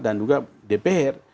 dan juga dpr